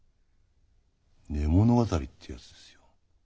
寝物語ってやつですよ。